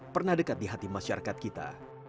pernah dekat di hati masyarakat kita